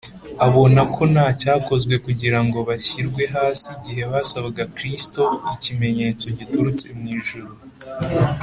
abona ko nta cyakozwe kugira ngo bashyirwe hasi igihe basabaga kristo ikimenyetso giturutse mu ijuru